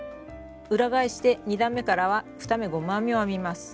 裏返して２段めからは２目ゴム編みを編みます。